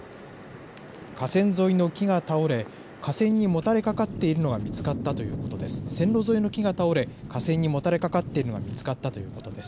架線沿いの木が倒れ、架線にもたれかかっているのが見つかったということです。